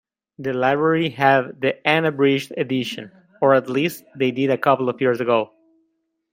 The library have the unabridged edition, or at least they did a couple of years ago.